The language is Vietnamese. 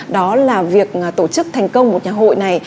đó là việc tổ chức thành công một nhà hội này